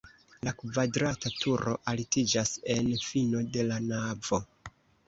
La kvadrata turo altiĝas en fino de la navo.